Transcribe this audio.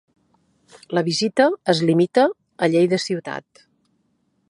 La visita es limita a Lleida ciutat.